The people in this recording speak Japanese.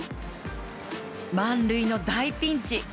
満塁の大ピンチ。